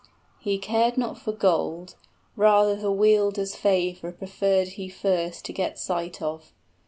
He cared not for gold: rather the Wielder's Favor preferred he first to get sight of.